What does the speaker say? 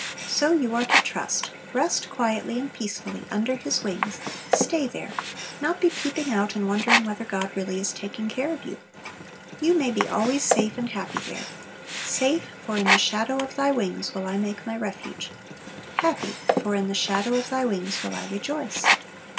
So you are to trust, rest quietly and peacefully, "under His wings;" stay there, not be peeping out and wondering whether God really is taking care of you! You may be always safe and happy there. Safe, for "in the shadow of Thy wings will I make my refuge." Happy, for "in the shadow of Thy wings will I rejoice."